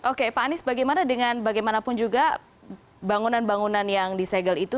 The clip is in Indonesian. oke pak anies bagaimana dengan bagaimanapun juga bangunan bangunan yang disegel itu